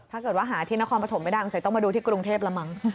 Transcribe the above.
ถ้าเกิดว่าหาที่นครปฐมไม่ดังเสร็จต้องมาดูที่กรุงเทพละมั้ง